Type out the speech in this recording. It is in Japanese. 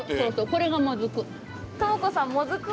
これがもずく。